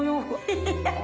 ハハハ